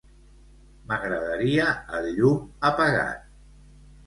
M'agradaria el llum apagat.